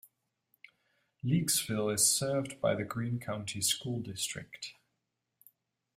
Leakesville is served by the Greene County School District.